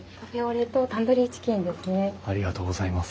ありがとうございます。